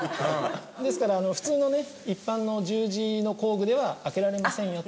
ですから普通のね一般の十字の工具では開けられませんよと。